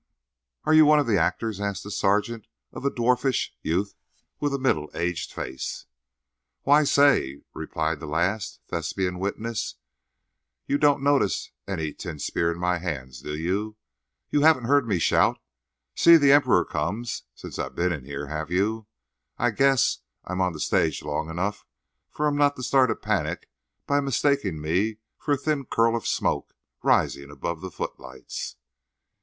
"Are you one of the actors?" asked the sergeant of a dwarfish youth with a middle aged face. "Why, say!" replied the last Thespian witness, "you don't notice any tin spear in my hands, do you? You haven't heard me shout: 'See, the Emperor comes!' since I've been in here, have you? I guess I'm on the stage long enough for 'em not to start a panic by mistaking me for a thin curl of smoke rising above the footlights."